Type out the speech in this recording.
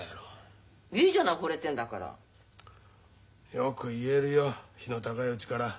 よく言えるよ日の高いうちから。